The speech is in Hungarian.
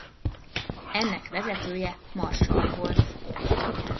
Ennek vezetője marsall volt.